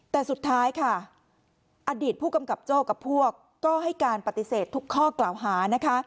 แต่สุดท้ายค่ะอดีตผู้กำกับโจ้กับพวกก็ให้การปฏิเสธทุกข้อกล่าวหานะคะ